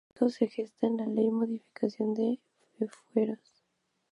El Convenio Económico se gesta en la Ley de Modificación de Fueros.